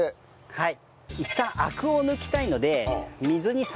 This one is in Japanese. はい。